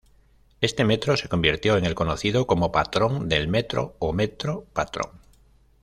Este metro se convirtió en el conocido como "patrón del metro" o "metro patrón".